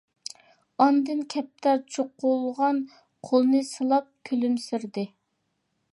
ئاندىن كەپتەر چوقۇلىغان قولىنى سىلاپ كۈلۈمسىرىدى.